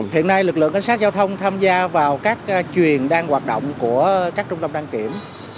hiện nay lực lượng cảnh sát giao thông tham gia vào các chuồng đang hoạt động của các trung tâm đăng kiểm